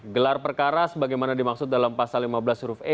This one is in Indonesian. gelar perkara sebagaimana dimaksud dalam pasal lima belas huruf e